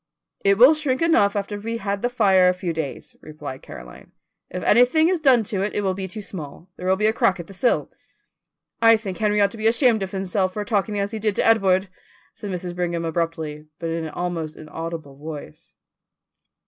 "It will shrink enough after we have had the fire a few days," replied Caroline. "If anything is done to it it will be too small; there will be a crack at the sill." "I think Henry ought to be ashamed of himself for talking as he did to Edward," said Mrs. Brigham abruptly, but in an almost inaudible voice.